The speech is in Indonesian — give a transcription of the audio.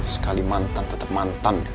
sekali mantan tetap mantan